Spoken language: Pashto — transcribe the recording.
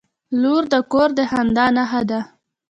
• لور د کور د خندا نښه ده.